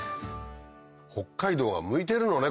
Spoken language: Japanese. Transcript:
北海道は向いてるのね